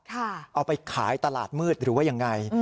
เอาไปขายตลาดมืดหรือว่ายังไง